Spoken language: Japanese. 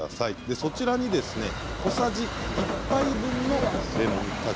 そちらに小さじ１杯分のレモン果汁。